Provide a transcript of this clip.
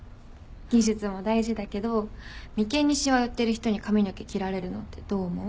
技術も大事だけど眉間にしわ寄ってる人に髪の毛切られるのってどう思う？